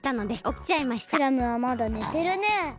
クラムはまだねてるね。